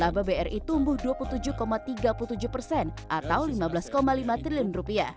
laba bri tumbuh dua puluh tujuh tiga puluh tujuh persen atau rp lima belas lima triliun